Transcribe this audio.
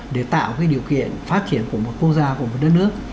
để tạo điều kiện phát triển của một quốc gia của một đất nước